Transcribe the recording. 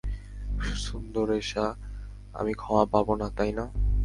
সুন্দরেসা, আমি ক্ষমা পাব না, তাই না?